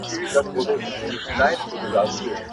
میکده کي به له ډکه جامه ولاړ سم,